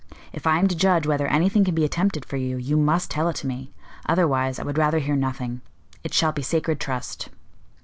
If I am to judge whether anything can be attempted for you, you must tell it to me; otherwise, I would rather hear nothing. It shall be sacred trust."